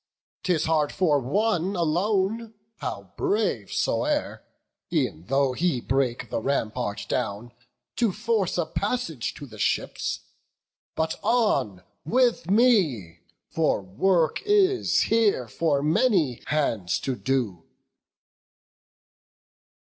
'Tis hard for one alone, how brave soe'er, E'en though he break the rampart down, to force A passage to the ships; but on with me! For work is here for many hands to do."